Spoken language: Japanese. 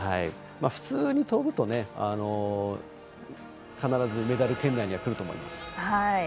普通に飛ぶと必ずメダル圏内にはくると思います。